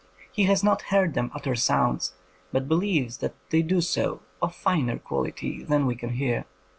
He has not heard them utter sounds, but believes that they do so, of finer quality than we can hear.